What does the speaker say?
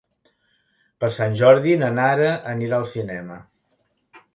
Per Sant Jordi na Nara anirà al cinema.